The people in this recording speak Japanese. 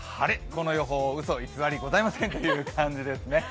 この予報、うそ偽りございませんという感じですね。